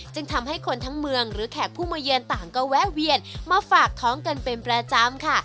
จึงทำให้คนทั้งเมืองหรือแขกผู้มาเยือนต่างก็แวะเวียนมาฝากท้องกันเป็นประจำค่ะ